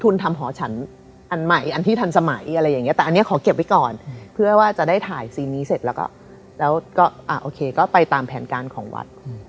แล้วก็อ่ะโอเคก็ไปตามแผนการของวัด